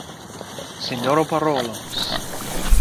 Sinjoro parolos!